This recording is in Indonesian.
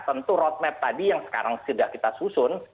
tentu roadmap tadi yang sekarang sudah kita susun